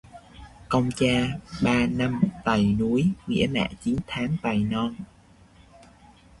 Công cha ba năm tày núi, nghĩa mẹ chín tháng tày non